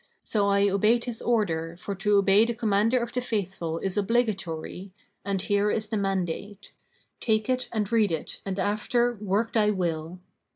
So I obeyed his order for to obey the Commander of the Faithful is obligatory; and here is the mandate. Take it and read it and after work thy will."